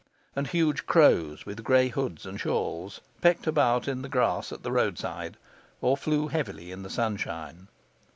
And huge crows, with gray hoods and shawls, pecked about in the grass at the roadside or flew heavily in the sunshine.